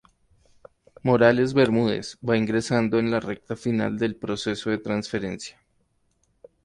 Morales Bermúdez, va ingresando en la recta final del proceso de transferencia.